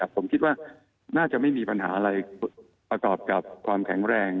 ผมคิดว่าน่าจะไม่มีปัญหาอะไรประกอบกับความแข็งแรง